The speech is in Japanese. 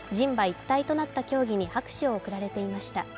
一体となった競技に拍手を送られていました。